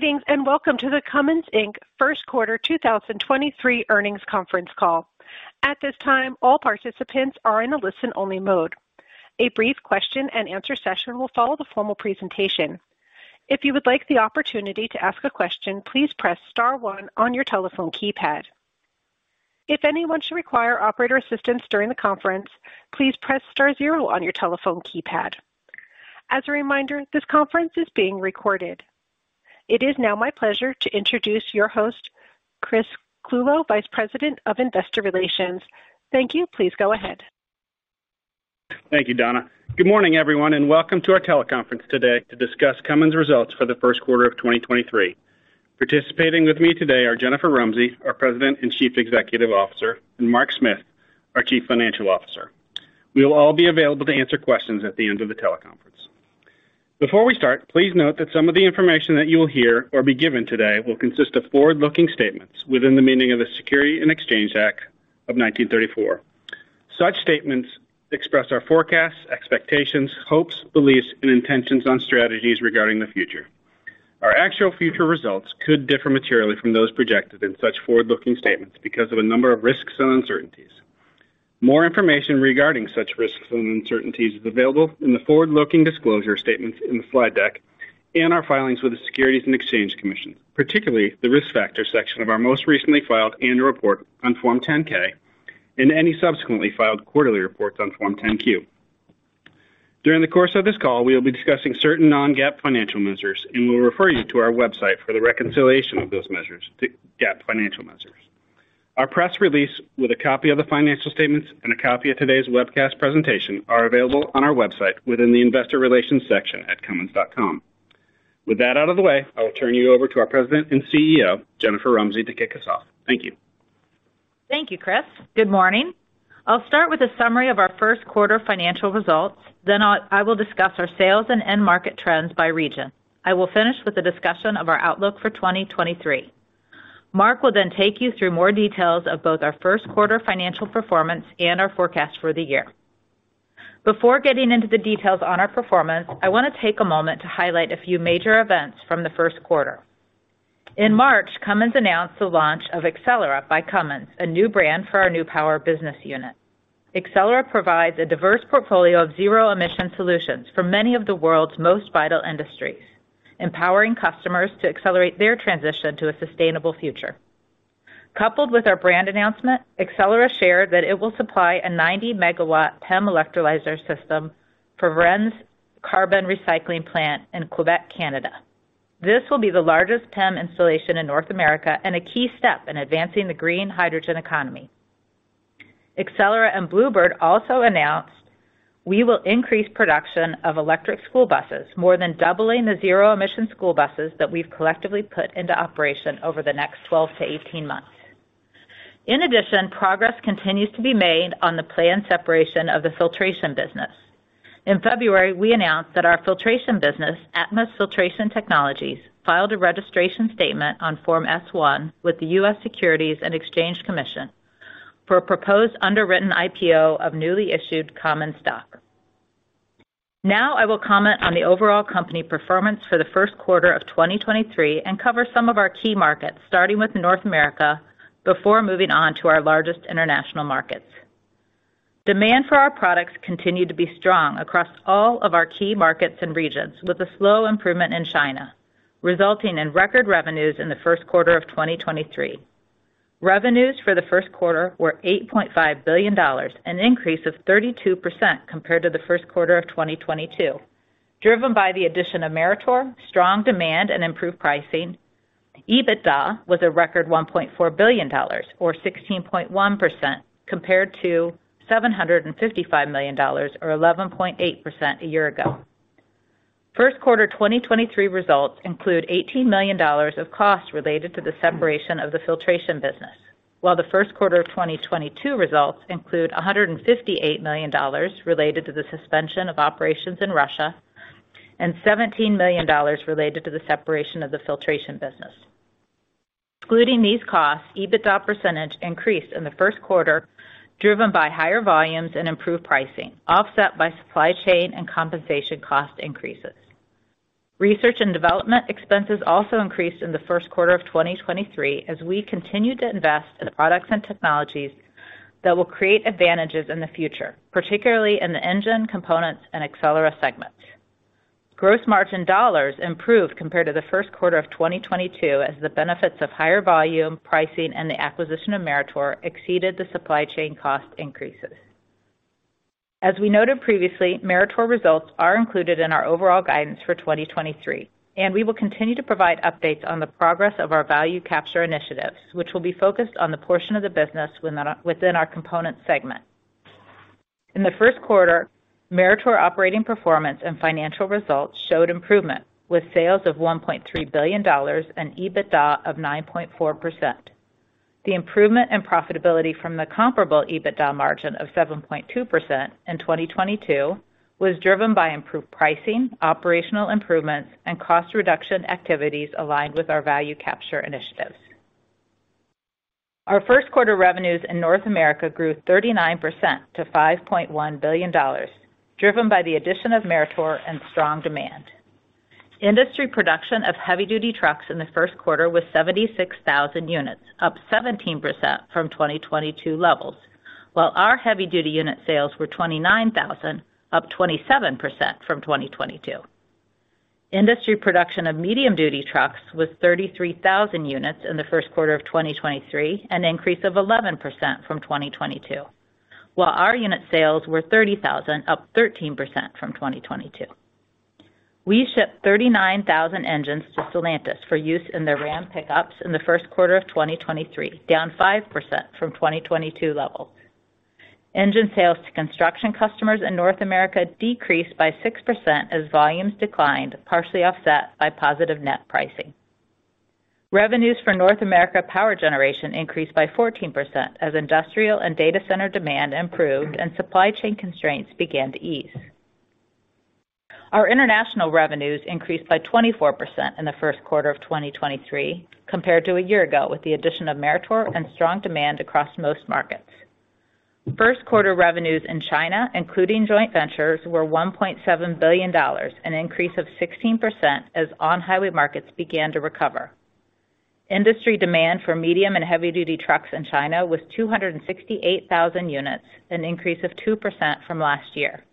Greetings, and welcome to the Cummins Inc. first quarter 2023 earnings conference call. At this time, all participants are in a listen-only mode. A brief question and answer session will follow the formal presentation. If you would like the opportunity to ask a question, please press star one on your telephone keypad. If anyone should require operator assistance during the conference, please press star 0 on your telephone keypad. As a reminder, this conference is being recorded. It is now my pleasure to introduce your host, Chris Clulow, Vice President of Investor Relations. Thank you. Please go ahead. Thank you, Donna. Good morning, everyone, and welcome to our teleconference today to discuss Cummins results for the Q1 of 2023. Participating with me today are Jennifer Rumsey, our President and Chief Executive Officer, and Mark Smith, our Chief Financial Officer. We will all be available to answer questions at the end of the teleconference. Before we start, please note that some of the information that you will hear or be given today will consist of forward-looking statements within the meaning of the Securities Exchange Act of 1934. Such statements express our forecasts, expectations, hopes, beliefs, and intentions on strategies regarding the future. Our actual future results could differ materially from those projected in such forward-looking statements because of a number of risks and uncertainties. More information regarding such risks and uncertainties is available in the forward-looking disclosure statements in the slide deck and our filings with the Securities and Exchange Commission, particularly the Risk Factors section of our most recently filed annual report on Form 10-K and any subsequently filed quarterly reports on Form 10-Q. During the course of this call, we will be discussing certain non-GAAP financial measures and we'll refer you to our website for the reconciliation of those measures to GAAP financial measures. Our press release with a copy of the financial statements and a copy of today's webcast presentation are available on our website within the Investor Relations section at cummins.com. With that out of the way, I will turn you over to our President and CEO, Jennifer Rumsey, to kick us off. Thank you. Thank you, Chris. Good morning. I'll start with a summary of our Q1 financial results, then I will discuss our sales and end market trends by region. I will finish with a discussion of our outlook for 2023. Mark will then take you through more details of both our Q1 financial performance and our forecast for the year. Before getting into the details on our performance, I wanna take a moment to highlight a few major events from the Q1. In March, Cummins announced the launch of Accelera by Cummins, a new brand for our new power business unit. Accelera provides a diverse portfolio of zero-emission solutions for many of the world's most vital industries, empowering customers to accelerate their transition to a sustainable future. Coupled with our brand announcement, Accelera shared that it will supply a 90-megawatt PEM electrolyzer system for Varennes Carbon Recycling plant in Quebec, Canada. This will be the largest PEM installation in North America and a key step in advancing the green hydrogen economy. Accelera and Blue Bird also announced we will increase production of electric school buses, more than doubling the zero-emission school buses that we've collectively put into operation over the next 12 to 18 months. Progress continues to be made on the planned separation of the Filtration business. In February, we announced that our Filtration business, Atmus Filtration Technologies, filed a registration statement on Form S-1 with the U.S. Securities and Exchange Commission for a proposed underwritten IPO of newly issued common stock. Now I will comment on the overall company performance for the Q1 of 2023 and cover some of our key markets, starting with North America before moving on to our largest international markets. Demand for our products continued to be strong across all of our key markets and regions, with a slow improvement in China, resulting in record revenues in the Q1 of 2023. Revenues for the Q1 were $8.5 billion, an increase of 32% compared to the Q1 of 2022. Driven by the addition of Meritor, strong demand and improved pricing, EBITDA was a record $1.4 billion or 16.1% compared to $755 million or 11.8% a year ago. Q1 2023 results include $18 million of costs related to the separation of the Filtration business, while the Q1 of 2022 results include $158 million related to the suspension of operations in Russia and $17 million related to the separation of the Filtration business. Excluding these costs, EBITDA percentage increased in the Q1, driven by higher volumes and improved pricing, offset by supply chain and compensation cost increases. Research and development expenses also increased in the Q1 of 2023 as we continued to invest in products and technologies that will create advantages in the future, particularly in the Engine, Components, and Accelera segments. Gross margin dollars improved compared to the Q1 of 2022 as the benefits of higher volume, pricing, and the acquisition of Meritor exceeded the supply chain cost increases. As we noted previously, Meritor results are included in our overall guidance for 2023, and we will continue to provide updates on the progress of our value capture initiatives, which will be focused on the portion of the business within our Components segment. In the Q1, Meritor operating performance and financial results showed improvement, with sales of $1.3 billion and EBITDA of 9.4%. The improvement in profitability from the comparable EBITDA margin of 7.2% in 2022 was driven by improved pricing, operational improvements, and cost reduction activities aligned with our value capture initiatives. Our Q1 revenues in North America grew 39% to $5.1 billion, driven by the addition of Meritor and strong demand. Industry production of heavy-duty trucks in the Q1 was 76,000 units, up 17% from 2022 levels, while our heavy-duty unit sales were 29,000, up 27% from 2022. Industry production of medium-duty trucks was 33,000 units in the Q1 of 2023, an increase of 11% from 2022, while our unit sales were 30,000, up 13% from 2022. We shipped 39,000 engines to Stellantis for use in their Ram pickups in the Q1 of 2023, down 5% from 2022 levels. Engine sales to construction customers in North America decreased by 6% as volumes declined, partially offset by positive net pricing. Revenues for North America power generation increased by 14% as industrial and data center demand improved and supply chain constraints began to ease. Our international revenues increased by 24% in the Q1 of 2023 compared to a year ago, with the addition of Meritor and strong demand across most markets. Q1 revenues in China, including joint ventures, were $1.7 billion, an increase of 16% as on-highway markets began to recover. Industry demand for medium and heavy-duty trucks in China was 268,000 units, an increase of 2% from last year.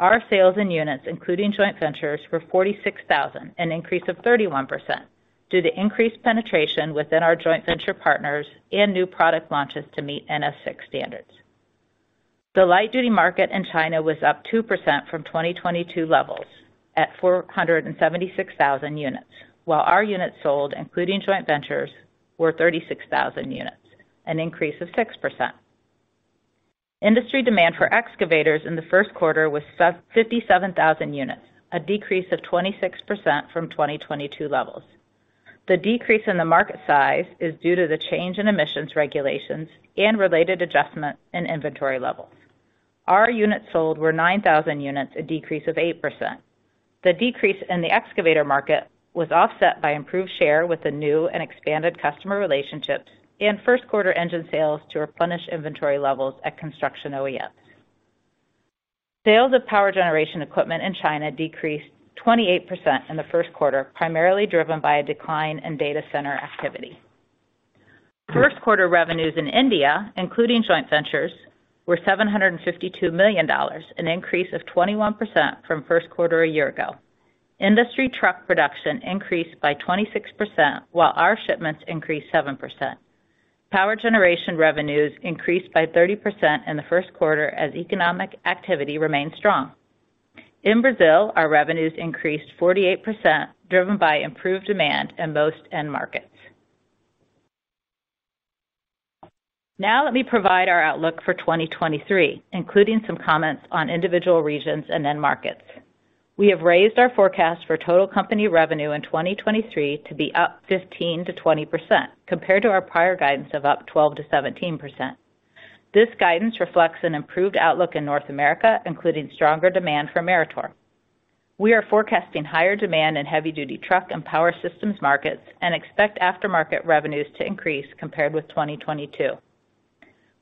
Our sales in units, including joint ventures, were 46,000, an increase of 31%, due to increased penetration within our joint venture partners and new product launches to meet NS6 standards. The light-duty market in China was up 2% from 2022 levels at 476,000 units, while our units sold, including joint ventures, were 36,000 units, an increase of 6%. Industry demand for excavators in the Q1 was 57,000 units, a decrease of 26% from 2022 levels. The decrease in the market size is due to the change in emissions regulations and related adjustments in inventory levels. Our units sold were 9,000 units, a decrease of 8%. The decrease in the excavator market was offset by improved share with the new and expanded customer relationships and Q1 engine sales to replenish inventory levels at construction OEMs. Sales of power generation equipment in China decreased 28% in the Q1, primarily driven by a decline in data center activity. Q1 revenues in India, including joint ventures, were $752 million, an increase of 21% from Q1 a year ago. Industry truck production increased by 26%, while our shipments increased 7%. Power generation revenues increased by 30% in the Q1 as economic activity remained strong. In Brazil, our revenues increased 48%, driven by improved demand in most end markets. Let me provide our outlook for 2023, including some comments on individual regions and end markets. We have raised our forecast for total company revenue in 2023 to be up 15%-20% compared to our prior guidance of up 12%-17%. This guidance reflects an improved outlook in North America, including stronger demand for Meritor. We are forecasting higher demand in heavy-duty truck and power systems markets and expect aftermarket revenues to increase compared with 2022.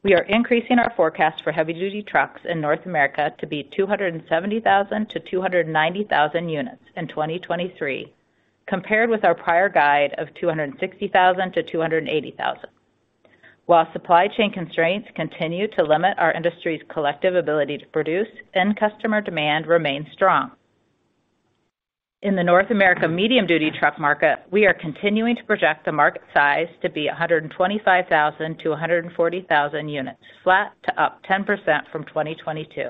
We are increasing our forecast for heavy-duty trucks in North America to be 270,000-290,000 units in 2023 compared with our prior guide of 260,000-280,000. While supply chain constraints continue to limit our industry's collective ability to produce, end customer demand remains strong. In the North America medium-duty truck market, we are continuing to project the market size to be 125,000-140,000 units, flat to up 10% from 2022.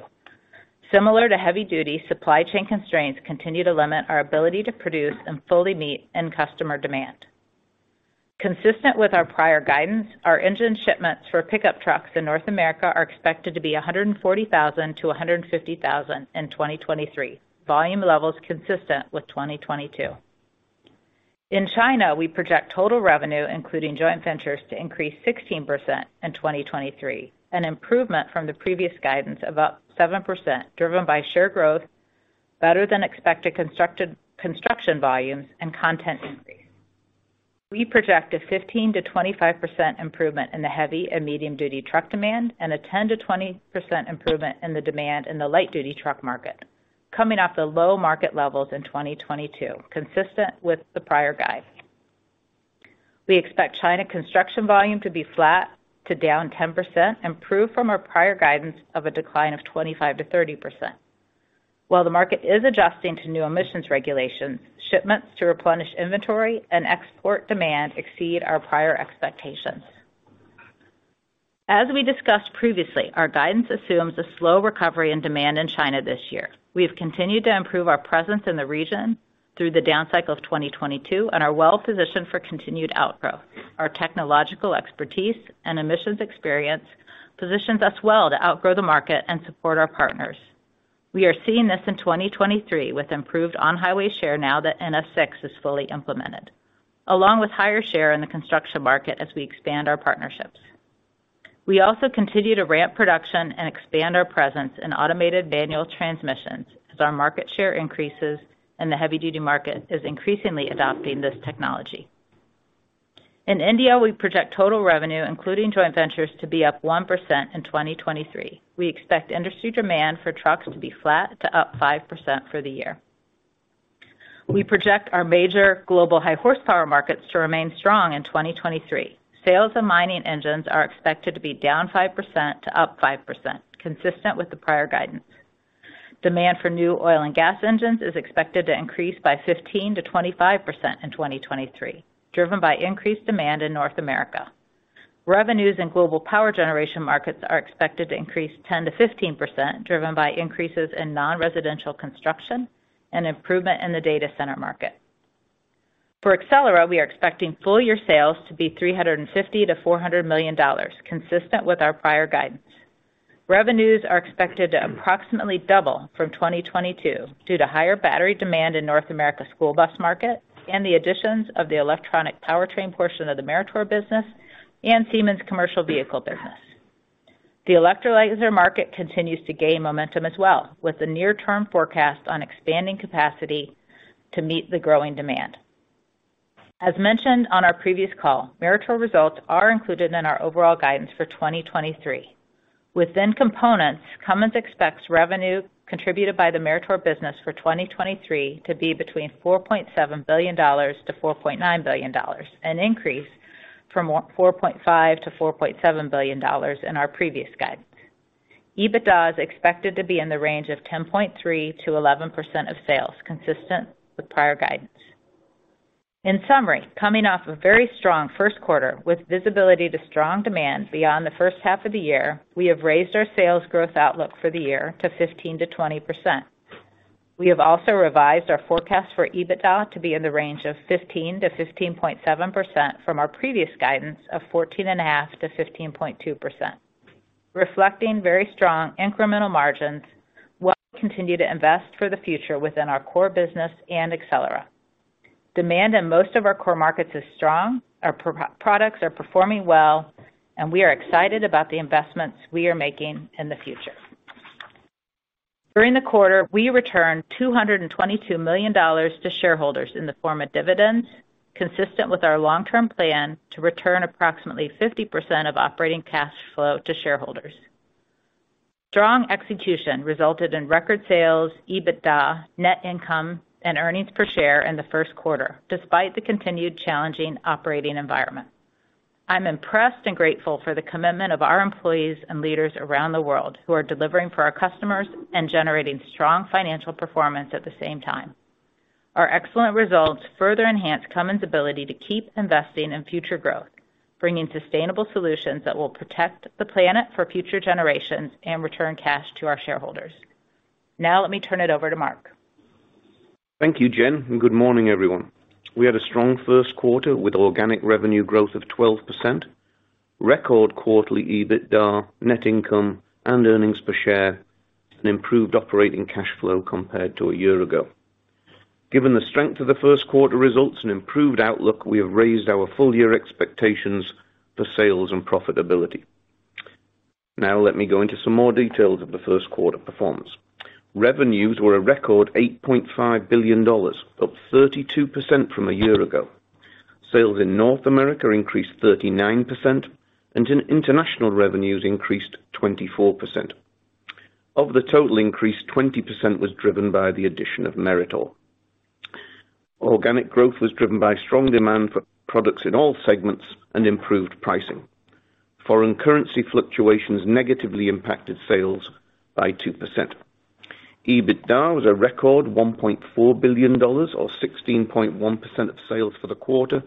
Similar to heavy-duty, supply chain constraints continue to limit our ability to produce and fully meet end customer demand. Consistent with our prior guidance, our engine shipments for pickup trucks in North America are expected to be 140,000 to 150,000 in 2023, volume levels consistent with 2022. In China, we project total revenue, including joint ventures, to increase 16% in 2023, an improvement from the previous guidance of up 7% driven by share growth, better than expected construction volumes, and content increase. We project a 15%-25% improvement in the heavy and medium-duty truck demand, and a 10%-20% improvement in the demand in the light-duty truck market, coming off the low market levels in 2022, consistent with the prior guide. We expect China construction volume to be flat to down 10%, improved from our prior guidance of a decline of 25%-30%. While the market is adjusting to new emissions regulations, shipments to replenish inventory and export demand exceed our prior expectations. As we discussed previously, our guidance assumes a slow recovery and demand in China this year. We have continued to improve our presence in the region through the down cycle of 2022 and are well positioned for continued outgrowth. Our technological expertise and emissions experience positions us well to outgrow the market and support our partners. We are seeing this in 2023 with improved on-highway share now that NS6 is fully implemented, along with higher share in the construction market as we expand our partnerships. We also continue to ramp production and expand our presence in automated manual transmissions as our market share increases and the heavy duty market is increasingly adopting this technology. In India, we project total revenue, including joint ventures, to be up 1% in 2023. We expect industry demand for trucks to be flat to up 5% for the year. We project our major global high horsepower markets to remain strong in 2023. Sales and mining engines are expected to be down 5%-5%, consistent with the prior guidance. Demand for new oil and gas engines is expected to increase by 15%-25% in 2023, driven by increased demand in North America. Revenues in global power generation markets are expected to increase 10%-15%, driven by increases in non-residential construction and improvement in the data center market. For Accelera, we are expecting full year sales to be $350 million-$400 million, consistent with our prior guidance. Revenues are expected to approximately double from 2022 due to higher battery demand in North America school bus market and the additions of the electronic powertrain portion of the Meritor business and Siemens commercial vehicle business. The Electrolyzer market continues to gain momentum as well, with the near term forecast on expanding capacity to meet the growing demand. As mentioned on our previous call, Meritor results are included in our overall guidance for 2023. Within components, Cummins expects revenue contributed by the Meritor business for 2023 to be between $4.7 billion-$4.9 billion, an increase from $4.5 billion-$4.7 billion in our previous guidance. EBITDA is expected to be in the range of 10.3%-11% of sales, consistent with prior guidance. In summary, coming off a very strong Q1 with visibility to strong demand beyond the first half of the year, we have raised our sales growth outlook for the year to 15%-20%. We have also revised our forecast for EBITDA to be in the range of 15%-15.7% from our previous guidance of 14.5%-15.2%. Reflecting very strong incremental margins, we'll continue to invest for the future within our core business and Accelera. Demand in most of our core markets is strong, our pro-products are performing well. We are excited about the investments we are making in the future. During the quarter, we returned $222 million to shareholders in the form of dividends, consistent with our long-term plan to return approximately 50% of operating cash flow to shareholders. Strong execution resulted in record sales, EBITDA, net income, and earnings per share in the Q1, despite the continued challenging operating environment. I'm impressed and grateful for the commitment of our employees and leaders around the world who are delivering for our customers and generating strong financial performance at the same time. Our excellent results further enhance Cummins' ability to keep investing in future growth, bringing sustainable solutions that will protect the planet for future generations and return cash to our shareholders. Now let me turn it over to Mark. Thank you, Jennifer, good morning, everyone. We had a strong Q1 with organic revenue growth of 12%, record quarterly EBITDA, net income and earnings per share, and improved operating cash flow compared to a year ago. Given the strength of the Q1 results and improved outlook, we have raised our full-year expectations for sales and profitability. Let me go into some more details of the Q1 performance. Revenues were a record $8.5 billion, up 32% from a year ago. Sales in North America increased 39%, and in-international revenues increased 24%. Of the total increase, 20% was driven by the addition of Meritor. Organic growth was driven by strong demand for products in all segments and improved pricing. Foreign currency fluctuations negatively impacted sales by 2%. EBITDA was a record $1.4 billion or 16.1% of sales for the quarter,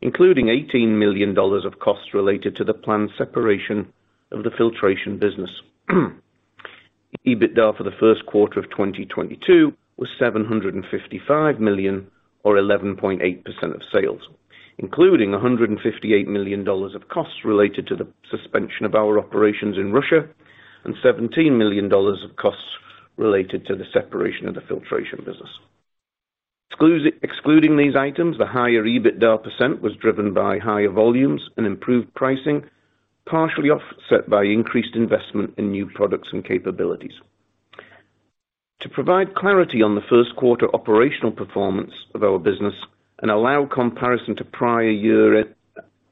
including $18 million of costs related to the planned separation of the filtration business. EBITDA for the Q1 of 2022 was $755 million or 11.8% of sales, including $158 million of costs related to the suspension of our operations in Russia and $17 million of costs related to the separation of the filtration business. Excluding these items, the higher EBITDA percent was driven by higher volumes and improved pricing, partially offset by increased investment in new products and capabilities. To provide clarity on the Q1 operational performance of our business and allow comparison to prior year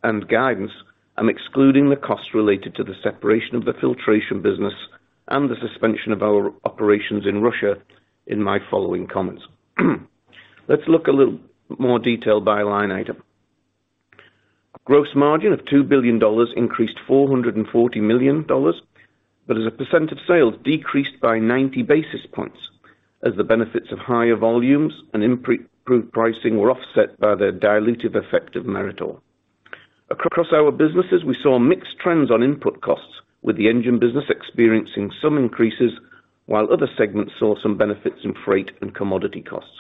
and guidance, I'm excluding the costs related to the separation of the filtration business and the suspension of our operations in Russia in my following comments. Let's look a little more detailed by line item. Gross margin of $2 billion increased $440 million, but as a percent of sales decreased by 90 basis points as the benefits of higher volumes and improved pricing were offset by the dilutive effect of Meritor. Across our businesses, we saw mixed trends on input costs, with the engine business experiencing some increases while other segments saw some benefits in freight and commodity costs.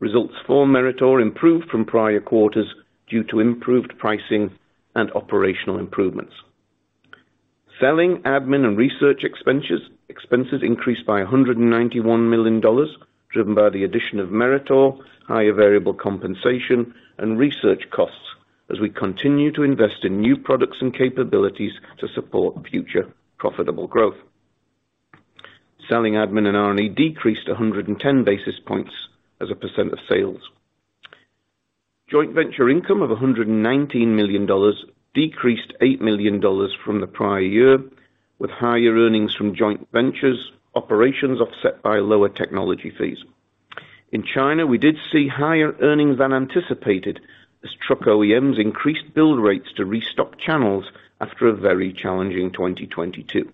Results for Meritor improved from prior quarters due to improved pricing and operational improvements. Selling admin and research expenses increased by $191 million, driven by the addition of Meritor, higher variable compensation, and research costs as we continue to invest in new products and capabilities to support future profitable growth. Selling admin and R&E decreased 110 basis points as a % of sales. Joint venture income of $119 million decreased $8 million from the prior year, with higher earnings from joint ventures operations offset by lower technology fees. In China, we did see higher earnings than anticipated as truck OEMs increased build rates to restock channels after a very challenging 2022.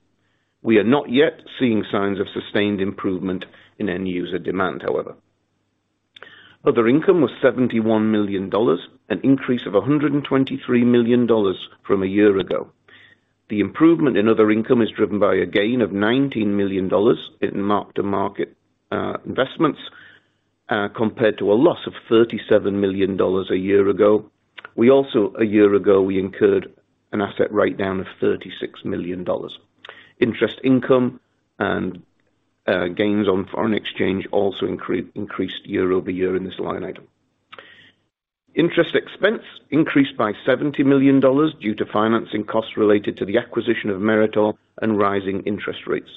We are not yet seeing signs of sustained improvement in end user demand, however. Other income was $71 million, an increase of $123 million from a year ago. The improvement in other income is driven by a gain of $19 million in mark-to-market investments compared to a loss of $37 million a year ago. We also a year ago incurred an asset write-down of $36 million. Interest income and gains on foreign exchange also increased year-over-year in this line item. Interest expense increased by $70 million due to financing costs related to the acquisition of Meritor and rising interest rates.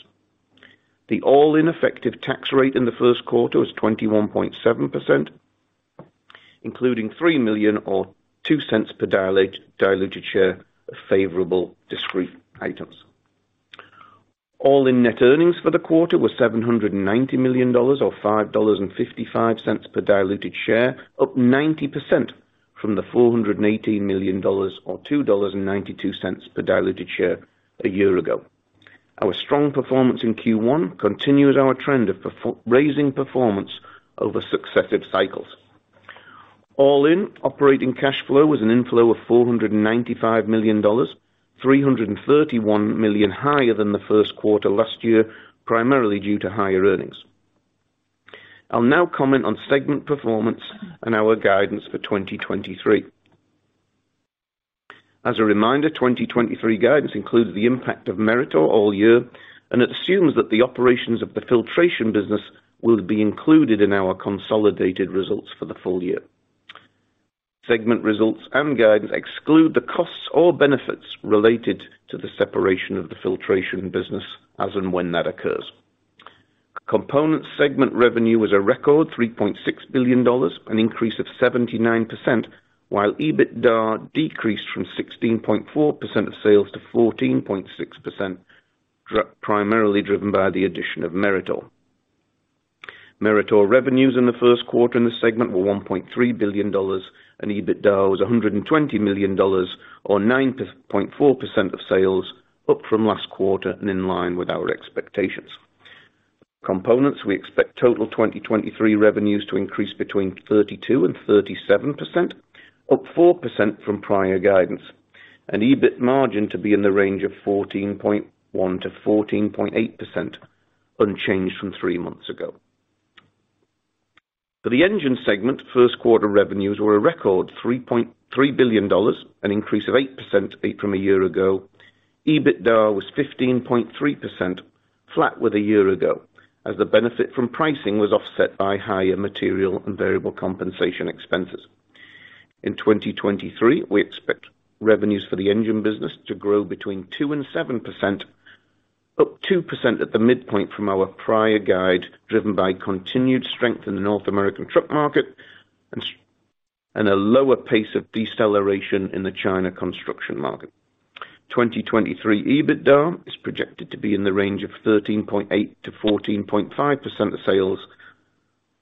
The all-in effective tax rate in the Q1 was 21.7%, including $3 million or $0.02 per diluted share of favorable discrete items. All in net earnings for the quarter was $790 million or $5.55 per diluted share, up 90% from the $418 million or $2.92 per diluted share a year ago. Our strong performance in Q1 continues our trend of raising performance over successive cycles. All in operating cash flow was an inflow of $495 million, $331 million higher than the Q1 last year, primarily due to higher earnings. I'll now comment on segment performance and our guidance for 2023. As a reminder, 2023 guidance includes the impact of Meritor all year and assumes that the operations of the filtration business will be included in our consolidated results for the full year. Segment results and guidance exclude the costs or benefits related to the separation of the filtration business as and when that occurs. Component segment revenue was a record $3.6 billion, an increase of 79%, while EBITDA decreased from 16.4% of sales to 14.6%, primarily driven by the addition of Meritor. Meritor revenues in the Q1 in the segment were $1.3 billion, and EBITDA was $120 million or 9.4% of sales up from last quarter and in line with our expectations. Components, we expect total 2023 revenues to increase between 32%-37%, up 4% from prior guidance, and EBIT margin to be in the range of 14.1%-14.8%, unchanged from three months ago. For the engine segment, Q1 revenues were a record $3.3 billion, an increase of 8% from a year ago. EBITDA was 15.3% flat with a year ago as the benefit from pricing was offset by higher material and variable compensation expenses. In 2023, we expect revenues for the engine business to grow between 2% and 7%, up 2% at the midpoint from our prior guide, driven by continued strength in the North American truck market and a lower pace of deceleration in the China construction market. 2023 EBITDA is projected to be in the range of 13.8%-14.5% of sales,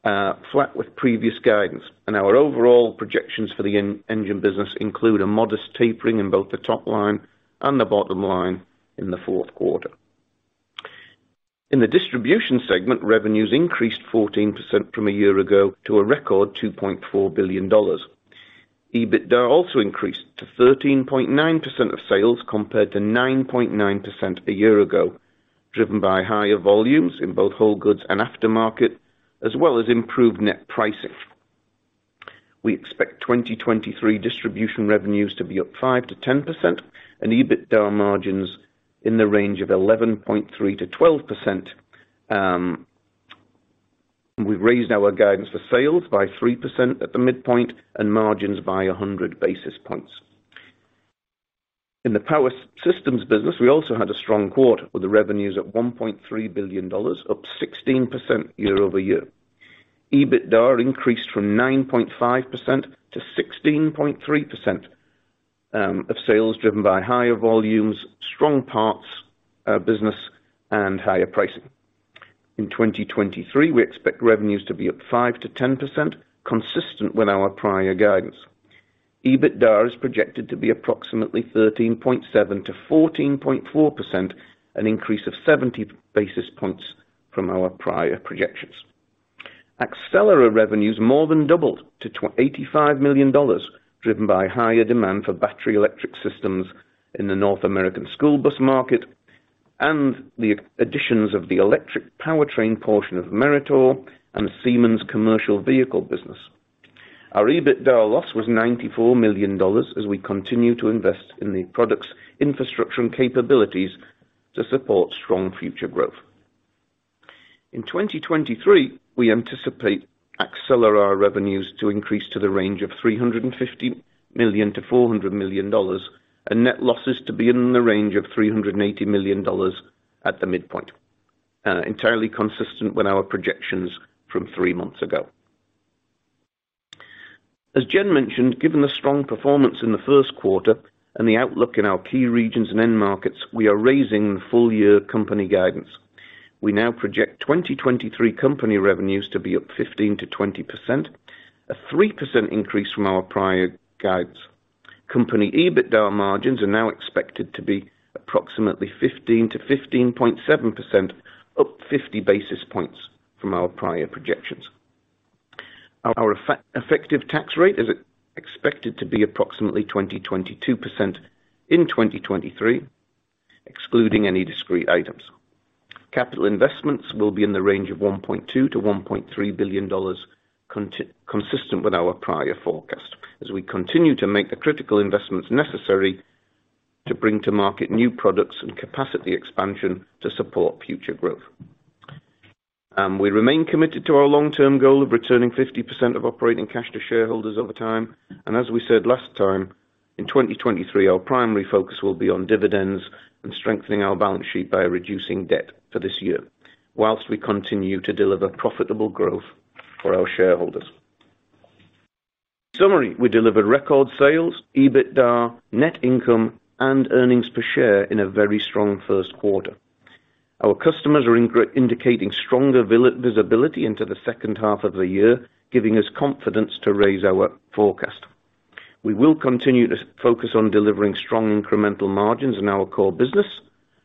flat with previous guidance. Our overall projections for the engine business include a modest tapering in both the top line and the bottom line in the Q4. In the distribution segment, revenues increased 14% from a year ago to a record $2.4 billion. EBITDA also increased to 13.9% of sales, compared to 9.9% a year ago, driven by higher volumes in both whole goods and aftermarket, as well as improved net pricing. We expect 2023 distribution revenues to be up 5%-10% and EBITDA margins in the range of 11.3%-12%. We've raised our guidance for sales by 3% at the midpoint and margins by 100 basis points. In the power systems business, we also had a strong quarter, with the revenues at $1.3 billion, up 16% year-over-year. EBITDA increased from 9.5% to 16.3% of sales driven by higher volumes, strong parts business, and higher pricing. In 2023, we expect revenues to be up 5%-10%, consistent with our prior guidance. EBITDA is projected to be approximately 13.7%-14.4%, an increase of 70 basis points from our prior projections. Accelera revenues more than doubled to $85 million, driven by higher demand for battery electric systems in the North American school bus market and the additions of the electric powertrain portion of Meritor and Siemens commercial vehicle business. Our EBITDA loss was $94 million as we continue to invest in the products, infrastructure, and capabilities to support strong future growth. In 2023, we anticipate Accelera revenues to increase to the range of $350 million-$400 million, and net losses to be in the range of $380 million at the midpoint, entirely consistent with our projections from three months ago. As Jen mentioned, given the strong performance in the Q1 and the outlook in our key regions and end markets, we are raising the full year company guidance. We now project 2023 company revenues to be up 15%-20%, a 3% increase from our prior guides. Company EBITDA margins are now expected to be approximately 15%-15.7%, up 50 basis points from our prior projections. Our effective tax rate is expected to be approximately 20%-22% in 2023, excluding any discrete items. Capital investments will be in the range of $1.2 billion-$1.3 billion consistent with our prior forecast as we continue to make the critical investments necessary to bring to market new products and capacity expansion to support future growth. We remain committed to our long-term goal of returning 50% of operating cash to shareholders over time. As we said last time, in 2023, our primary focus will be on dividends and strengthening our balance sheet by reducing debt for this year, whilst we continue to deliver profitable growth for our shareholders. In summary, we delivered record sales, EBITDA, net income, and earnings per share in a very strong Q1. Our customers are indicating stronger visibility into the second half of the year, giving us confidence to raise our forecast. We will continue to focus on delivering strong incremental margins in our core business,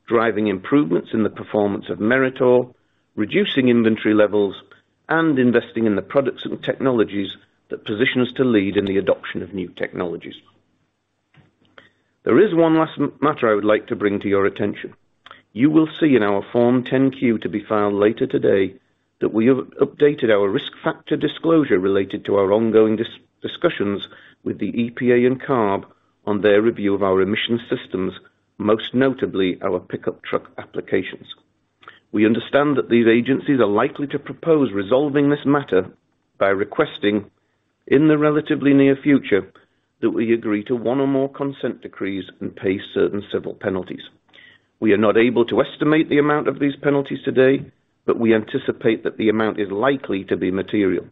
driving improvements in the performance of Meritor, reducing inventory levels, and investing in the products and technologies that position us to lead in the adoption of new technologies. There is one last matter I would like to bring to your attention. You will see in our Form 10-Q to be filed later today that we have updated our risk factor disclosure related to our ongoing discussions with the EPA and CARB on their review of our emission systems, most notably our pickup truck applications. We understand that these agencies are likely to propose resolving this matter by requesting, in the relatively near future, that we agree to one or more consent decrees and pay certain civil penalties. We are not able to estimate the amount of these penalties today. We anticipate that the amount is likely to be material.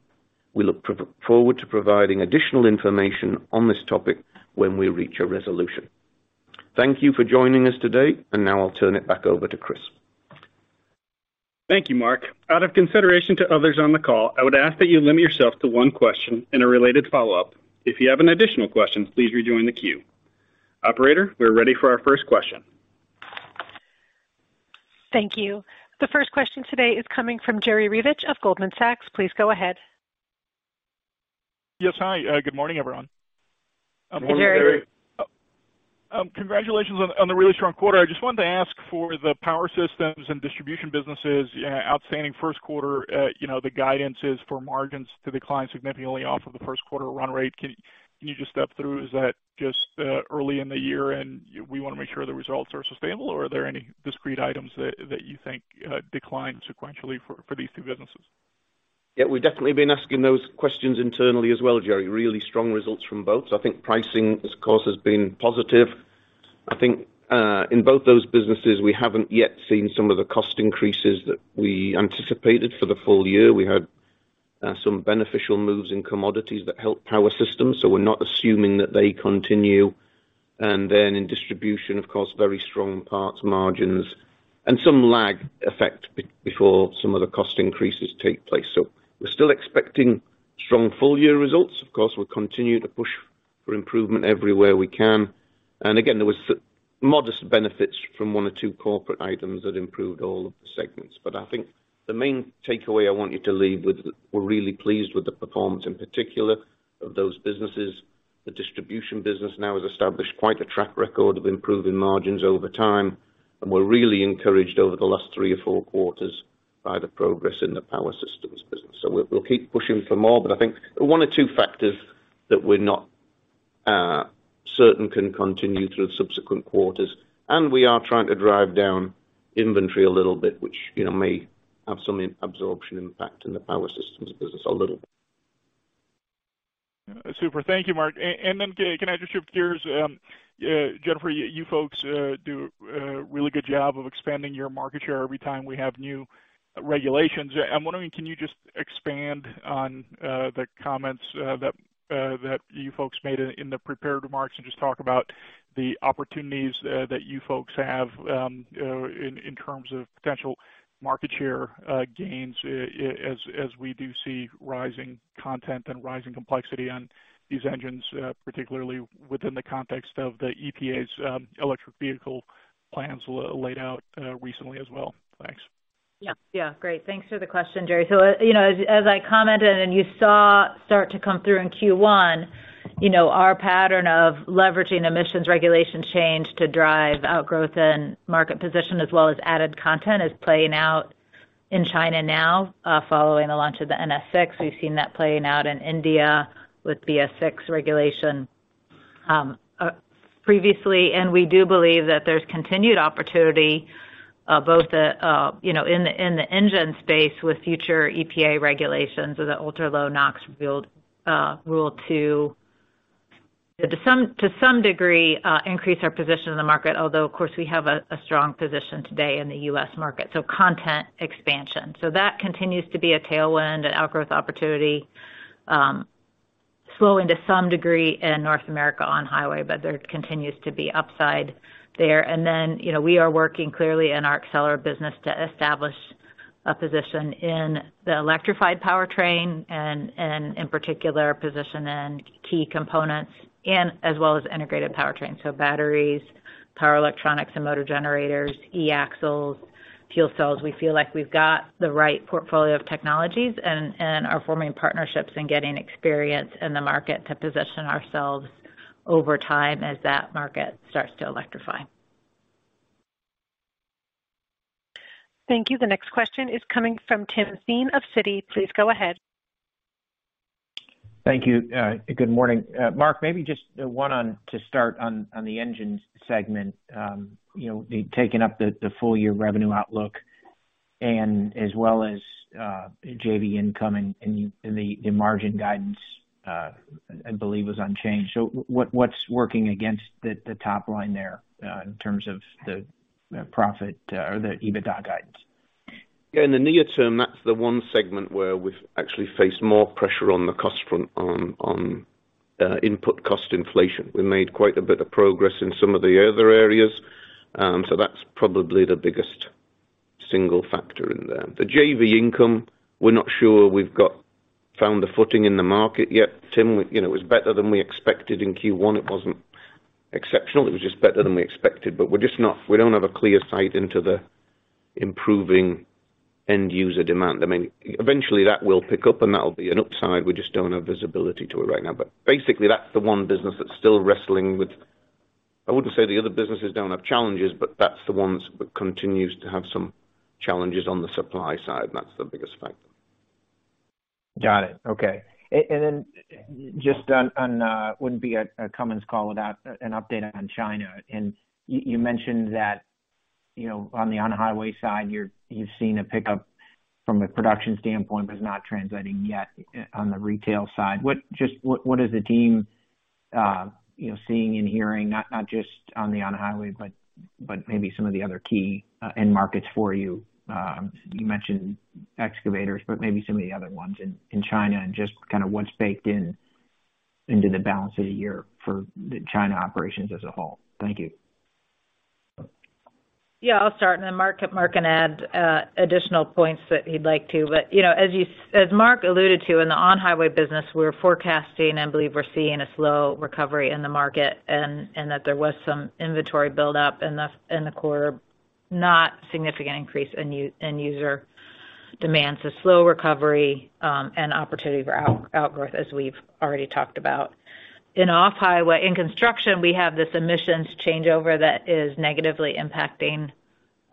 We look pro-forward to providing additional information on this topic when we reach a resolution. Thank you for joining us today. Now I'll turn it back over to Chris. Thank you, Mark. Out of consideration to others on the call, I would ask that you limit yourself to one question and a related follow-up. If you have an additional question, please rejoin the queue. Operator, we're ready for our first question. Thank you. The first question today is coming from Jerry Revich of Goldman Sachs. Please go ahead. Yes. Hi. good morning, everyone. Good morning, Jerry. Congratulations on the really strong quarter. I just wanted to ask for the power systems and distribution businesses, outstanding Q1, you know, the guidance is for margins to decline significantly off of the Q1 run rate. Can you just step through, is that just early in the year, and we wanna make sure the results are sustainable? Or are there any discrete items that you think declined sequentially for these two businesses? We've definitely been asking those questions internally as well, Jerry. Really strong results from both. I think pricing, of course, has been positive. I think in both those businesses, we haven't yet seen some of the cost increases that we anticipated for the full year. We had some beneficial moves in commodities that helped power systems, so we're not assuming that they continue. In distribution, of course, very strong parts margins and some lag effect before some of the cost increases take place. We're still expecting strong full-year results. Of course, we'll continue to push for improvement everywhere we can. Again, there was modest benefits from one or two corporate items that improved all of the segments. I think the main takeaway I want you to leave with, we're really pleased with the performance, in particular of those businesses. The distribution business now has established quite a track record of improving margins over time. We're really encouraged over the last three or four quarters by the progress in the power systems business. We'll keep pushing for more. I think one or two factors that we're not certain can continue through subsequent quarters. We are trying to drive down inventory a little bit, which, you know, may have some absorption impact in the power systems business a little bit. Super. Thank you, Mark. Can I just shift gears? Jennifer, you folks do a really good job of expanding your market share every time we have new regulations. I'm wondering, can you just expand on the comments that you folks made in the prepared remarks and just talk about the opportunities that you folks have in terms of potential market share gains as we do see rising content and rising complexity on these engines, particularly within the context of the EPA's electric vehicle plans laid out recently as well. Thanks. Yeah. Yeah. Great. Thanks for the question, Jerry. You know, as I commented and you saw start to come through in Q1, you know, our pattern of leveraging emissions regulation change to drive outgrowth and market position as well as added content is playing out in China now, following the launch of the NS6, we've seen that playing out in India with BS VI regulation, previously, and we do believe that there's continued opportunity, both the, you know, in the, in the engine space with future EPA regulations or the ultra-low NOx build rule to some degree, increase our position in the market, although of course, we have a strong position today in the U.S. market. Content expansion. That continues to be a tailwind and outgrowth opportunity, slow into some degree in North America on highway, but there continues to be upside there. You know, we are working clearly in our Accelera business to establish a position in the electrified powertrain and in particular position and key components and as well as integrated powertrain. Batteries, power electronics and motor generators, eAxles, fuel cells. We feel like we've got the right portfolio of technologies and are forming partnerships and getting experience in the market to position ourselves over time as that market starts to electrify. Thank you. The next question is coming from Tim Thein of Citi. Please go ahead. Thank you. Good morning. Mark, maybe just one on to start on the engine segment, you know, taking up the full year revenue outlook and as well as, JV income in the margin guidance, I believe was unchanged. What, what's working against the top line there, in terms of the profit or the EBITDA guidance? Yeah, in the near term, that's the one segment where we've actually faced more pressure on the cost front on input cost inflation. We made quite a bit of progress in some of the other areas. That's probably the biggest single factor in there. The JV income, we're not sure we've found the footing in the market yet. Tim, you know, it was better than we expected in Q1. It wasn't exceptional. It was just better than we expected. We're just not-- We don't have a clear sight into the improving end user demand. I mean, eventually that will pick up and that'll be an upside. We just don't have visibility to it right now. Basically that's the one business that's still wrestling with. I wouldn't say the other businesses don't have challenges, but that's the ones that continues to have some challenges on the supply side. That's the biggest factor. Got it. Okay. Then just on, wouldn't be a Cummins call without an update on China. You mentioned that, you know, on the on-highway side, you've seen a pickup from a production standpoint, but it's not translating yet on the retail side. What is the team, you know, seeing and hearing, not just on the on-highway, but maybe some of the other key end markets for you? You mentioned excavators, but maybe some of the other ones in China and just kind of what's baked in into the balance of the year for the China operations as a whole. Thank you. Yeah, I'll start and then Mark can add additional points that he'd like to. You know, as Mark alluded to in the on-highway business, we're forecasting and believe we're seeing a slow recovery in the market and that there was some inventory buildup in the, in the quarter, not significant increase in user demand. Slow recovery and opportunity for outgrowth, as we've already talked about. In off-highway, in construction, we have this emissions changeover that is negatively impacting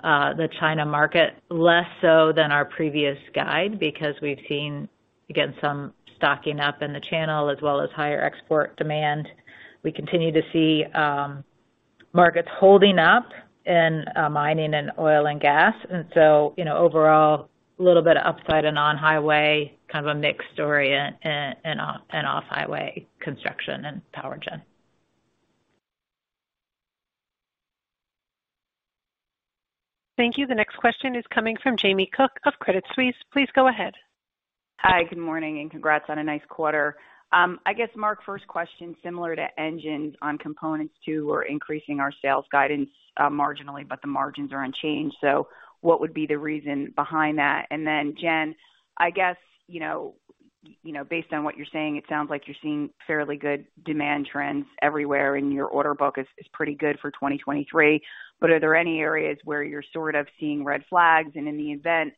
the China market, less so than our previous guide because we've seen, again, some stocking up in the channel as well as higher export demand. We continue to see markets holding up in mining and oil and gas. You know, overall, a little bit of upside in on-highway, kind of a mixed story in off-highway construction and power gen. Thank you. The next question is coming from Jamie Cook of Credit Suisse. Please go ahead. Hi, good morning and congrats on a nice quarter. I guess, Mark, first question similar to engines on components too. We're increasing our sales guidance, marginally, but the margins are unchanged. What would be the reason behind that? Then Jen, I guess, you know, based on what you're saying, it sounds like you're seeing fairly good demand trends everywhere and your order book is pretty good for 2023. Are there any areas where you're sort of seeing red flags? In the event,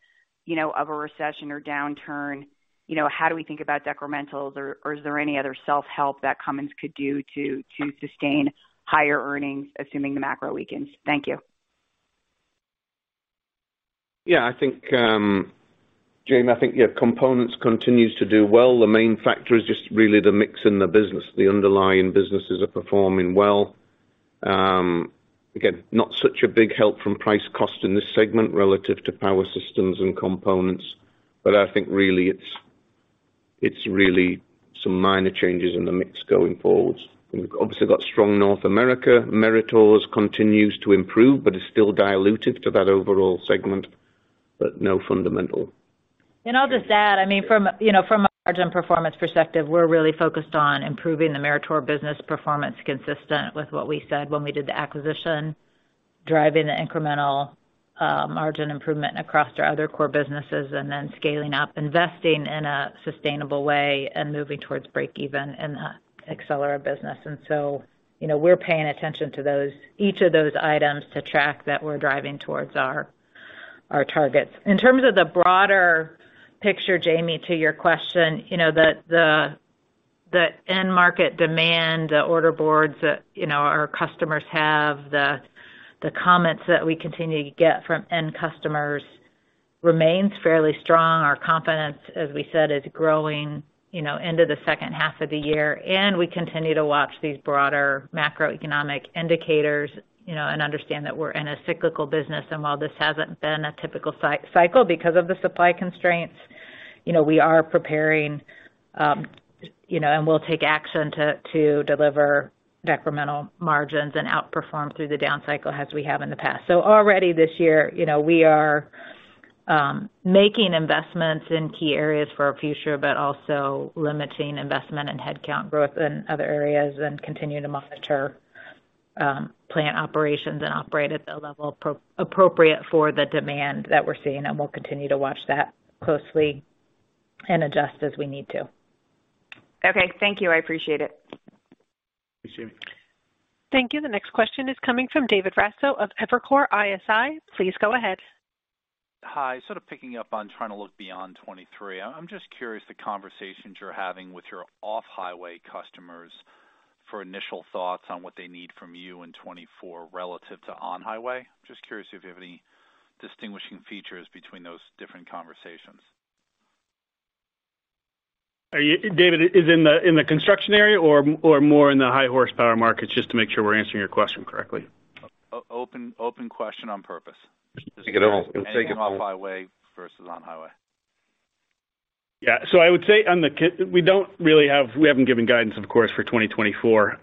you know, of a recession or downturn, you know, how do we think about decrementals or is there any other self-help that Cummins could do to sustain higher earnings, assuming the macro weakens? Thank you. Yeah, I think, Jamie, components continues to do well. The main factor is just really the mix in the business. The underlying businesses are performing well. Again, not such a big help from price cost in this segment relative to power systems and components. I think really it's really some minor changes in the mix going forward. We've obviously got strong North America. Meritor continues to improve, but it's still dilutive to that overall segment, but no fundamental. I'll just add, I mean, from a, you know, from a margin performance perspective, we're really focused on improving the Meritor business performance consistent with what we said when we did the acquisition, driving the incremental margin improvement across our other core businesses and then scaling up, investing in a sustainable way and moving towards break even in the Accelera business. You know, we're paying attention to each of those items to track that we're driving towards our targets. In terms of the broader picture, Jamie, to your question, you know, The end market demand, the order boards that, you know, our customers have, the comments that we continue to get from end customers remains fairly strong. Our confidence, as we said, is growing, you know, into the second half of the year. We continue to watch these broader macroeconomic indicators, you know, and understand that we're in a cyclical business. While this hasn't been a typical cycle because of the supply constraints, you know, we are preparing, you know, and we'll take action to deliver incremental margins and outperform through the down cycle as we have in the past. Already this year, you know, we are making investments in key areas for our future, but also limiting investment and headcount growth in other areas and continuing to monitor plant operations and operate at the level appropriate for the demand that we're seeing. We'll continue to watch that closely and adjust as we need to. Okay, thank you. I appreciate it. Appreciate it. Thank you. The next question is coming from David Rasso of Evercore ISI. Please go ahead. Hi. Sort of picking up on trying to look beyond 2023. I'm just curious, the conversations you're having with your off-highway customers for initial thoughts on what they need from you in 2024 relative to on-highway. Just curious if you have any distinguishing features between those different conversations? David, is it in the construction area or more in the high horsepower markets? Just to make sure we're answering your question correctly. Open question on purpose. Take it all in. Anything off-highway versus on-highway. Yeah. I would say we haven't given guidance, of course, for 2024.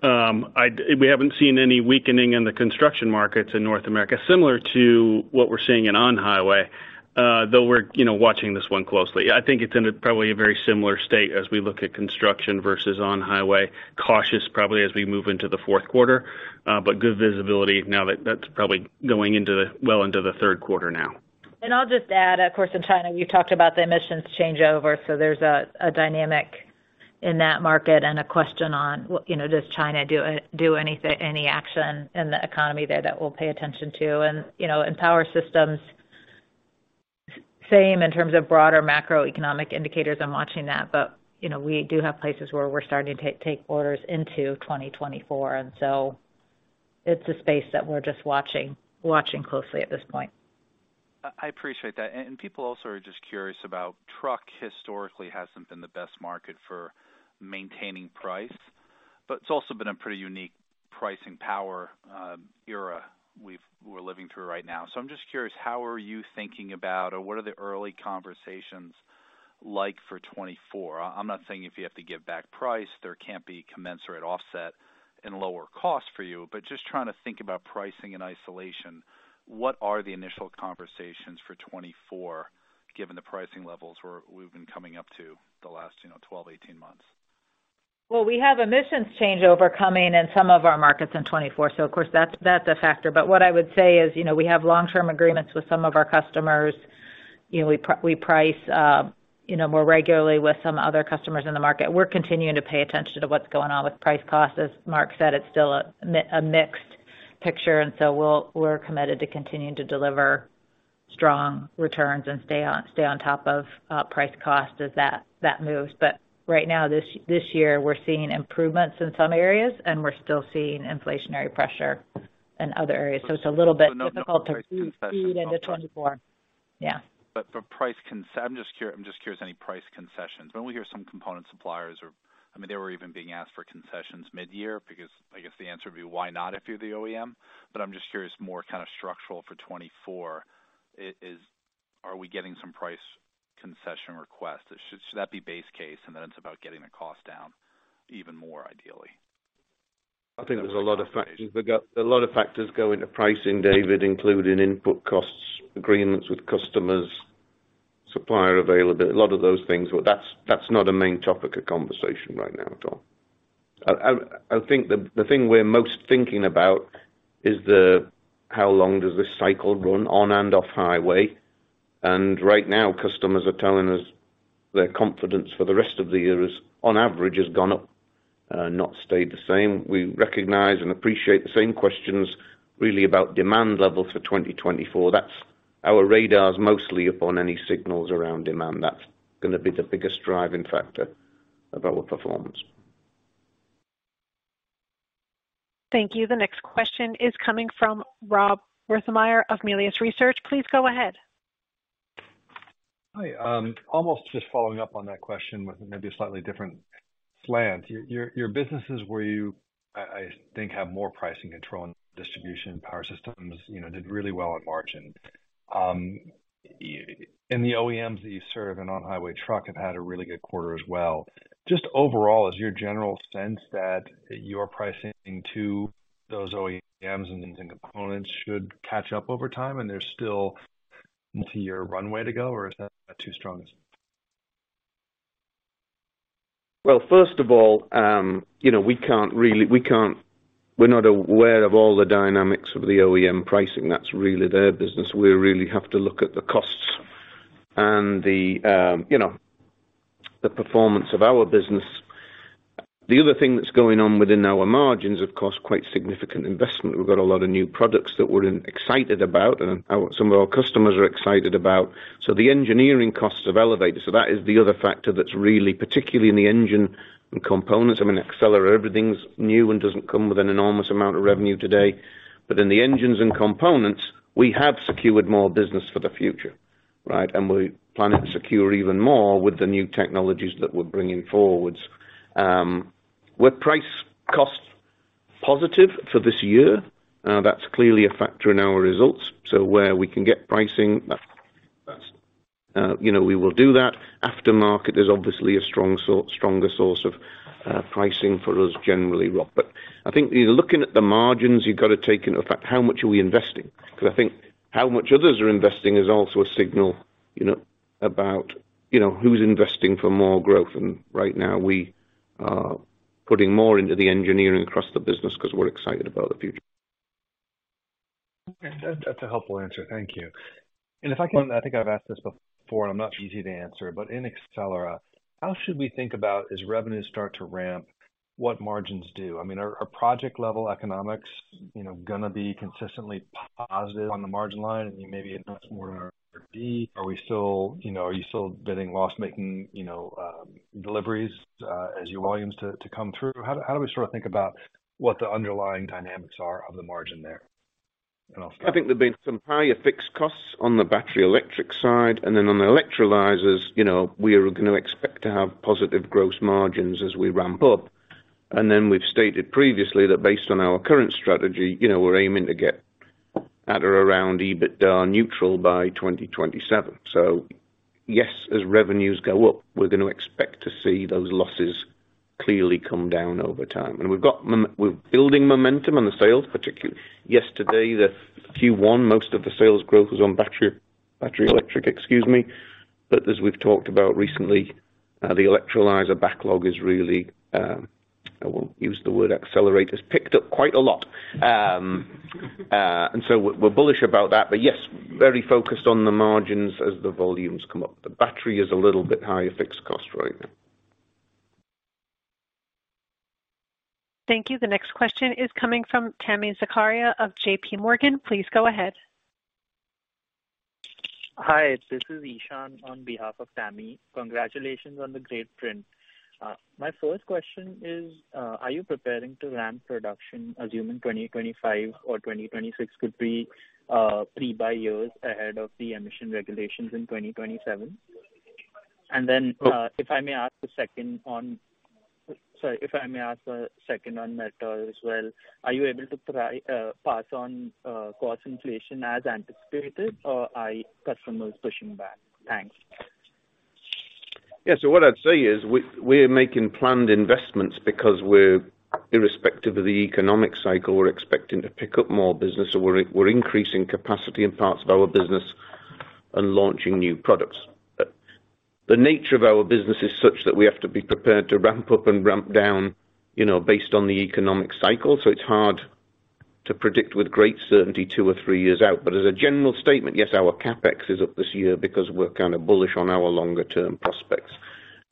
We haven't seen any weakening in the construction markets in North America, similar to what we're seeing in on-highway, though we're, you know, watching this one closely. I think it's in a probably a very similar state as we look at construction versus on-highway. Cautious probably as we move into the Q4, but good visibility now that that's probably well into the Q3 now. I'll just add, of course, in China, you talked about the emissions changeover. There's a dynamic in that market and a question on, you know, does China do any action in the economy there that we'll pay attention to. You know, in power systems, same in terms of broader macroeconomic indicators and watching that. You know, we do have places where we're starting to take orders into 2024, and so it's a space that we're just watching closely at this point. I appreciate that. People also are just curious about truck historically hasn't been the best market for maintaining price, but it's also been a pretty unique pricing power, era we're living through right now. I'm just curious, how are you thinking about or what are the early conversations like for 2024? I'm not saying if you have to give back price, there can't be commensurate offset and lower cost for you, but just trying to think about pricing in isolation. What are the initial conversations for 2024, given the pricing levels we've been coming up to the last, you know, 12, 18 months? We have emissions changeover coming in some of our markets in 2024, so of course that's a factor. What I would say is, you know, we have long-term agreements with some of our customers. You know, we price, you know, more regularly with some other customers in the market. We're continuing to pay attention to what's going on with price cost. As Mark said, it's still a mixed picture, we're committed to continuing to deliver strong returns and stay on top of price cost as that moves. Right now, this year, we're seeing improvements in some areas, and we're still seeing inflationary pressure in other areas. It's a little bit difficult to see into 2024. I'm just curious, any price concessions? When we hear some component suppliers or I mean, they were even being asked for concessions mid-year because I guess the answer would be why not if you're the OEM. I'm just curious more kind of structural for 24, are we getting some price concession requests? Should that be base case, and then it's about getting the cost down even more ideally? I think there's a lot of factors. A lot of factors go into pricing, David, including input costs, agreements with customers, supplier availability, a lot of those things. That's not a main topic of conversation right now at all. I think the thing we're most thinking about is the how long does this cycle run on and off-highway. Right now, customers are telling us their confidence for the rest of the year is, on average, has gone up, not stayed the same. We recognize and appreciate the same questions really about demand level for 2024. That's our radars mostly upon any signals around demand. That's gonna be the biggest driving factor of our performance. Thank you. The next question is coming from Rob Wertheimer of Melius Research. Please go ahead. Hi. almost just following up on that question with maybe a slightly different slant. Your, your businesses where you, I think have more pricing control and distribution power systems, you know, did really well on margin. In the OEMs that you serve and on-highway truck have had a really good quarter as well. Just overall, is your general sense that your pricing to those OEMs and components should catch up over time and there's still multi-year runway to go, or is that too strong? First of all, you know, we're not aware of all the dynamics of the OEM pricing. That's really their business. We really have to look at the costs and the, you know, the performance of our business. The other thing that's going on within our margins, of course, quite significant investment. We've got a lot of new products that we're excited about and some of our customers are excited about. The engineering costs have elevated. That is the other factor that's really particularly in the engine and components. I mean, Accelera, everything's new and doesn't come with an enormous amount of revenue today. In the engines and components, we have secured more business for the future, right? We plan to secure even more with the new technologies that we're bringing forwards. With price costs positive for this year, that's clearly a factor in our results. Where we can get pricing, you know, we will do that. Aftermarket is obviously a stronger source of pricing for us generally, Rob. I think looking at the margins, you've got to take into effect how much are we investing, because I think how much others are investing is also a signal, you know, about, you know, who's investing for more growth. Right now we are putting more into the engineering across the business because we're excited about the future. That's a helpful answer. Thank you. If I can, I think I've asked this before and I'm not easy to answer, but in Accelera, how should we think about as revenues start to ramp, what margins do? I mean, are project level economics, you know, gonna be consistently positive on the margin line and maybe invest more in R&E? Are we still, you know, are you still bidding loss making, you know, deliveries, as your volumes to come through? How do we sort of think about what the underlying dynamics are of the margin there? I'll stop. I think there have been some higher fixed costs on the battery electric side. On the electrolyzers, you know, we are gonna expect to have positive gross margins as we ramp up. We've stated previously that based on our current strategy, you know, we're aiming to get at or around EBITDA neutral by 2027. Yes, as revenues go up, we're going to expect to see those losses clearly come down over time. We're building momentum on the sales, particularly yesterday, the Q1, most of the sales growth was on battery electric, excuse me. As we've talked about recently, the electrolyzer backlog is really, I won't use the word accelerate, has picked up quite a lot. We're, we're bullish about that. Yes, very focused on the margins as the volumes come up. The battery is a little bit higher fixed cost right now. Thank you. The next question is coming from Tami Zakaria of J.P. Morgan. Please go ahead. Hi, this is Ishan on behalf of Tami. Congratulations on the great print. My first question is, are you preparing to ramp production, assuming 2025 or 2026 could be pre-buy years ahead of the emission regulations in 2027? If I may ask a second on that as well. Are you able to pass on cost inflation as anticipated or are customers pushing back? Thanks. Yeah. What I'd say is we are making planned investments because we're irrespective of the economic cycle, we're expecting to pick up more business or we're increasing capacity in parts of our business and launching new products. But the nature of our business is such that we have to be prepared to ramp up and ramp down, you know, based on the economic cycle. It's hard to predict with great certainty two or three years out. But as a general statement, yes, our CapEx is up this year because we're kind of bullish on our longer term prospects.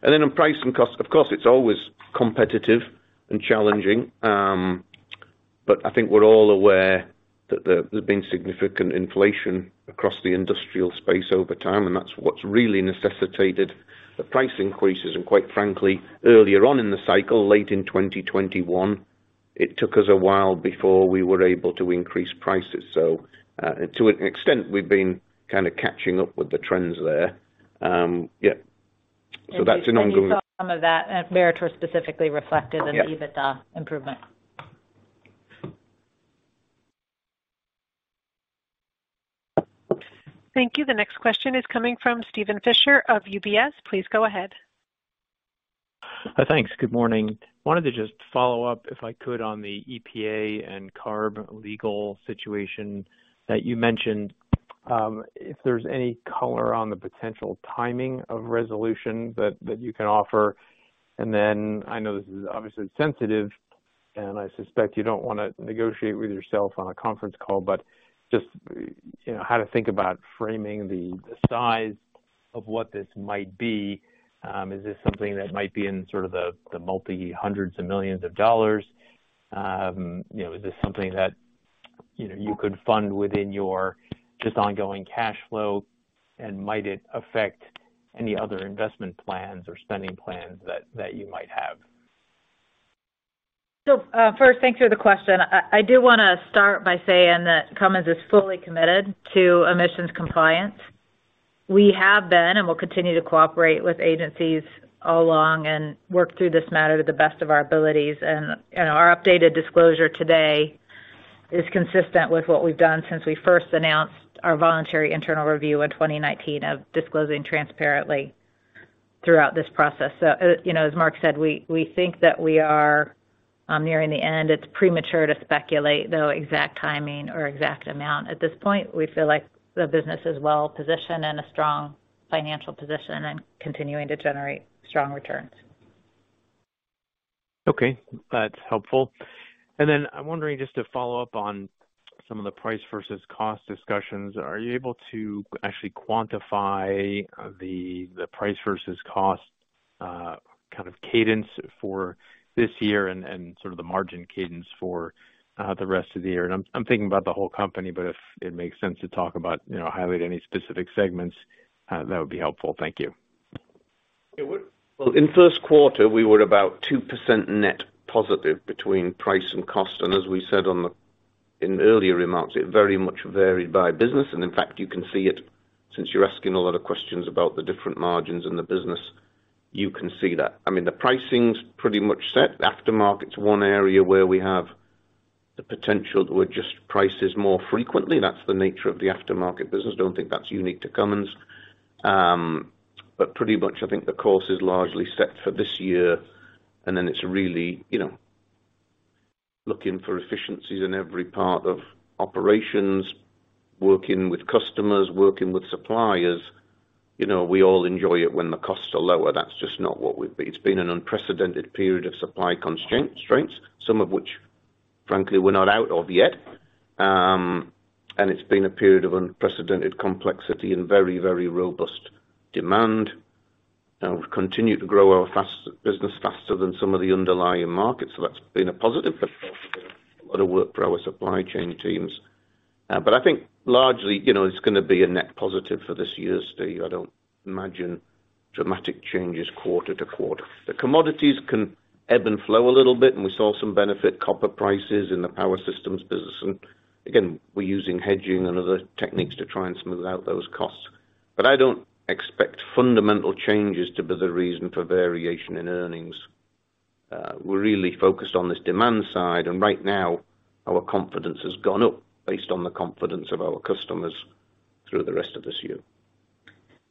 Then on price and cost, of course, it's always competitive and challenging. I think we're all aware that there's been significant inflation across the industrial space over time, and that's what's really necessitated the price increases. Quite frankly, earlier on in the cycle, late in 2021, it took us a while before we were able to increase prices. To an extent, we've been kind of catching up with the trends there. Yeah. That's an ongoing. You saw some of that Meritor specifically reflected in the EBITDA improvement. Thank you. The next question is coming from Steven Fisher of UBS. Please go ahead. Thanks. Good morning. Wanted to just follow up, if I could, on the EPA and CARB legal situation that you mentioned. If there's any color on the potential timing of resolution that you can offer. I know this is obviously sensitive, and I suspect you don't want to negotiate with yourself on a conference call, but just, you know, how to think about framing the size of what this might be. Is this something that might be in sort of the $multi hundreds of millions? You know, is this something that, you know, you could fund within your just ongoing cash flow? Might it affect any other investment plans or spending plans that you might have? First, thanks for the question. I do wanna start by saying that Cummins is fully committed to emissions compliance. We have been, and will continue to cooperate with agencies all along and work through this matter to the best of our abilities. You know, our updated disclosure today is consistent with what we've done since we first announced our voluntary internal review in 2019 of disclosing transparently throughout this process. You know, as Mark said, we think that we are nearing the end. It's premature to speculate, though, exact timing or exact amount at this point. We feel like the business is well positioned in a strong financial position and continuing to generate strong returns. Okay. That's helpful. I'm wondering just to follow up on. Some of the price versus cost discussions, are you able to actually quantify, the price versus cost, kind of cadence for this year and sort of the margin cadence for, the rest of the year? I'm thinking about the whole company, but if it makes sense to talk about, you know, highlight any specific segments, that would be helpful. Thank you. Well, in Q1, we were about 2% net positive between price and cost. As we said in the earlier remarks, it very much varied by business. In fact, you can see it since you're asking a lot of questions about the different margins in the business, you can see that. I mean, the pricing's pretty much set. The aftermarket's one area where we have the potential to adjust prices more frequently. That's the nature of the aftermarket business. Don't think that's unique to Cummins. Pretty much I think the course is largely set for this year, then it's really, you know, looking for efficiencies in every part of operations, working with customers, working with suppliers. You know, we all enjoy it when the costs are lower. That's just not what we've been. It's been an unprecedented period of supply constraints, some of which, frankly, we're not out of yet. It's been a period of unprecedented complexity and very, very robust demand. We've continued to grow our business faster than some of the underlying markets. That's been a positive, but also been a lot of work for our supply chain teams. I think largely, you know, it's gonna be a net positive for this year, Steve. I don't imagine dramatic changes quarter to quarter. The commodities can ebb and flow a little bit, and we saw some benefit copper prices in the power systems business. Again, we're using hedging and other techniques to try and smooth out those costs. I don't expect fundamental changes to be the reason for variation in earnings. We're really focused on this demand side. Right now, our confidence has gone up based on the confidence of our customers through the rest of this year.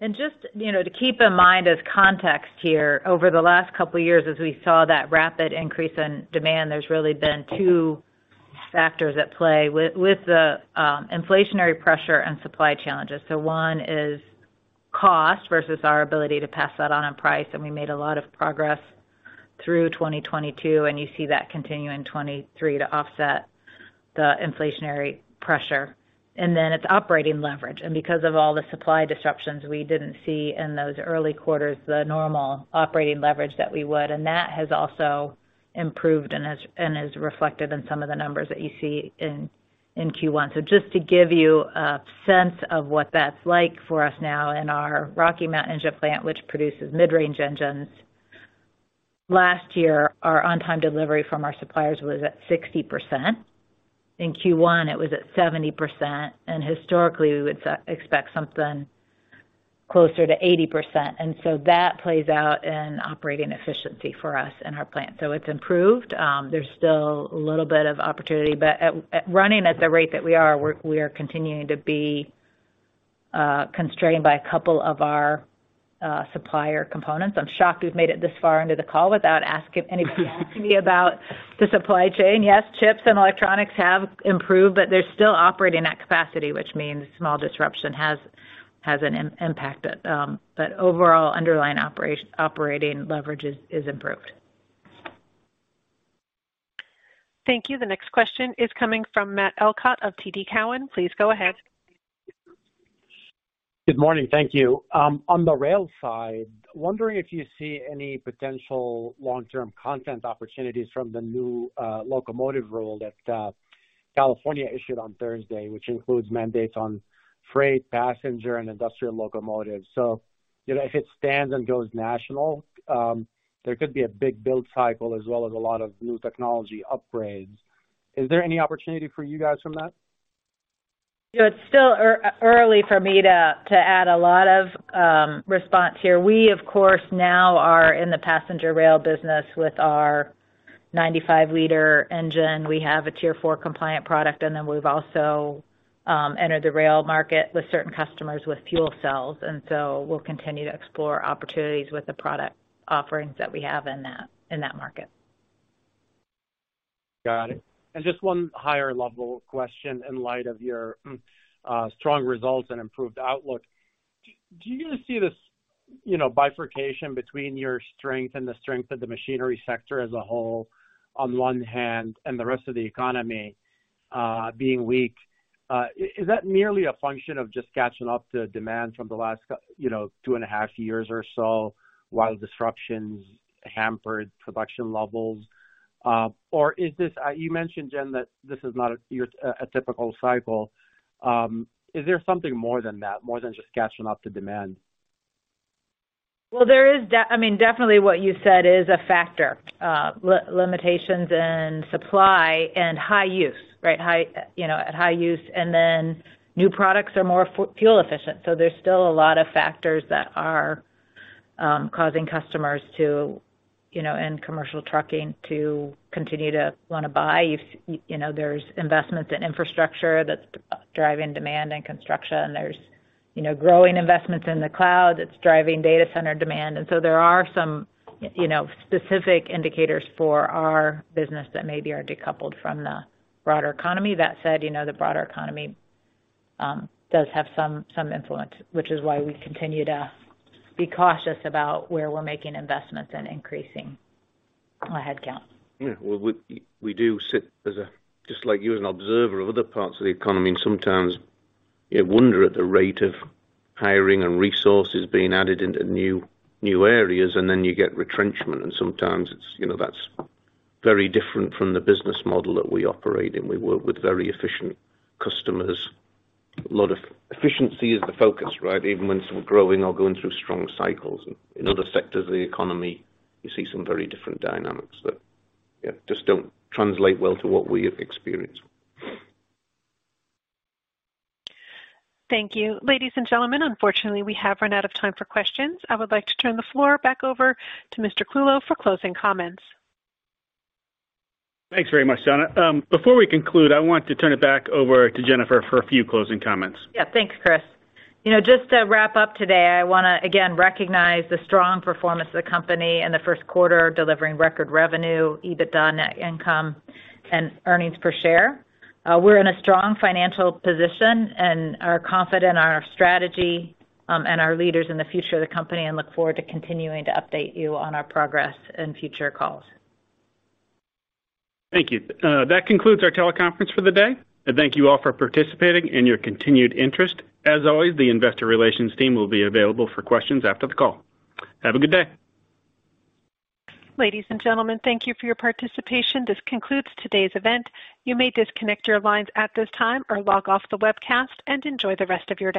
Just, you know, to keep in mind as context here, over the last couple of years, as we saw that rapid increase in demand, there's really been two factors at play with the inflationary pressure and supply challenges. One is cost versus our ability to pass that on in price, and we made a lot of progress through 2022, and you see that continue in 2023 to offset the inflationary pressure. Then it's operating leverage. Because of all the supply disruptions we didn't see in those early quarters, the normal operating leverage that we would. That has also improved and is reflected in some of the numbers that you see in Q1. Just to give you a sense of what that's like for us now in our Rocky Mount Engine Plant, which produces mid-range engines. Last year, our on-time delivery from our suppliers was at 60%. In Q1, it was at 70%, historically we would expect something closer to 80%. That plays out in operating efficiency for us in our plant. It's improved. There's still a little bit of opportunity. At running at the rate that we are continuing to be constrained by a couple of our supplier components. I'm shocked we've made it this far into the call without anybody asking me about the supply chain. Yes, chips and electronics have improved, but they're still operating at capacity, which means small disruption has an impact. Overall underlying operating leverage is improved. Thank you. The next question is coming from Matt Elkott of TD Cowen. Please go ahead. Good morning. Thank you. On the rail side, wondering if you see any potential long-term content opportunities from the new locomotive rule that California issued on Thursday, which includes mandates on freight, passenger, and industrial locomotives. You know, if it stands and goes national, there could be a big build cycle as well as a lot of new technology upgrades. Is there any opportunity for you guys from that? You know, it's still early for me to add a lot of response here. We, of course, now are in the passenger rail business with our 95-liter engine. We have a Tier 4 compliant product. We've also entered the rail market with certain customers with fuel cells. We'll continue to explore opportunities with the product offerings that we have in that market. Got it. Just one higher level question in light of your strong results and improved outlook. Do you see this, you know, bifurcation between your strength and the strength of the machinery sector as a whole on one hand and the rest of the economy being weak? Is that merely a function of just catching up to demand from the last, you know, two and a half years or so, while disruptions hampered production levels? Is this, you mentioned, Jen, that this is not your a typical cycle. Is there something more than that, more than just catching up to demand? Well, I mean, definitely what you said is a factor. Limitations in supply and high use, right? High, you know, at high use. New products are more fuel efficient. There's still a lot of factors that are causing customers to, you know, in commercial trucking to continue to wanna buy. You've, you know, there's investments in infrastructure that's driving demand and construction. There's, you know, growing investments in the cloud that's driving data center demand. There are some, you know, specific indicators for our business that maybe are decoupled from the broader economy. That said, you know, the broader economy does have some influence, which is why we continue to be cautious about where we're making investments and increasing our headcount. Yeah. Well, we do sit as a, just like you, an observer of other parts of the economy. Sometimes you wonder at the rate of hiring and resources being added into new areas, and then you get retrenchment. Sometimes it's, you know, that's very different from the business model that we operate in. We work with very efficient customers. A lot of efficiency is the focus, right? Even when it's growing or going through strong cycles. In other sectors of the economy, you see some very different dynamics that, yeah, just don't translate well to what we experience. Thank you. Ladies and gentlemen, unfortunately, we have run out of time for questions. I would like to turn the floor back over to Mr. Clulow for closing comments. Thanks very much, Donna. Before we conclude, I want to turn it back over to Jennifer for a few closing comments. Yeah. Thanks, Chris. You know, just to wrap up today, I wanna, again, recognize the strong performance of the company in the Q1, delivering record revenue, EBITDA, net income, and earnings per share. We're in a strong financial position and are confident in our strategy, and our leaders in the future of the company and look forward to continuing to update you on our progress in future calls. Thank you. That concludes our teleconference for the day. Thank you all for participating and your continued interest. As always, the Investor Relations team will be available for questions after the call. Have a good day. Ladies and gentlemen, thank you for your participation. This concludes today's event. You may disconnect your lines at this time or log off the webcast and enjoy the rest of your day.